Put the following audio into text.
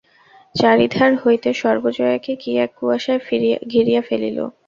চারিধার হইতে সর্বজয়াকে কি এক কুয়াশায় ঘিরিয়া ফেলিল!